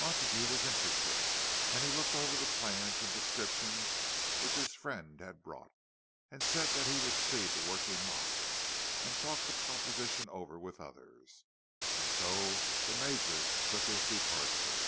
Montague was interested, and he looked over the plans and descriptions which his friend had brought, and said that he would see the working model, and talk the proposition over with others. And so the Major took his departure.